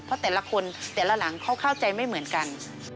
เพราะแต่ละคนแต่ละหลังเขาเข้าใจไม่เหมือนกัน